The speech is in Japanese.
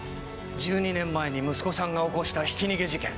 １２年前に息子さんが起こしたひき逃げ事件。